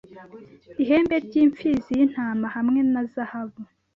ihembe ryimpfizi yintama hamwe na zahabu